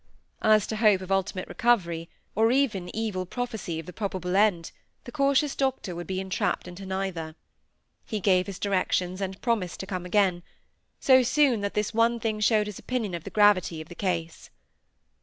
As to hope of ultimate recovery, or even evil prophecy of the probable end, the cautious doctor would be entrapped into neither. He gave his directions, and promised to come again; so soon, that this one thing showed his opinion of the gravity of the case.